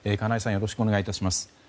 よろしくお願いします。